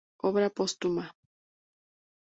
Obra póstuma.